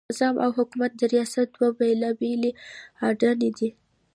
نظام او حکومت د ریاست دوه بېلابېلې اډانې دي.